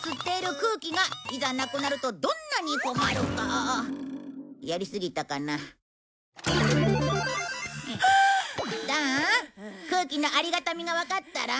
空気のありがたみがわかったろ？